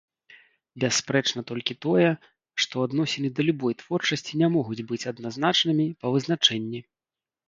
Бясспрэчна толькі тое, што адносіны да любой творчасці не могуць быць адназначнымі па вызначэнні.